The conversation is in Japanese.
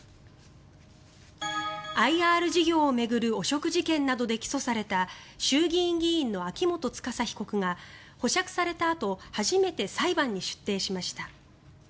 ＩＲ事業を巡る汚職事件などで起訴された衆議院議員の秋元司被告が保釈されたあと初めて裁判に出廷しました。